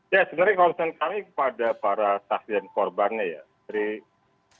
ya sebenarnya konsentrasi kami kepada para sahabat lpsk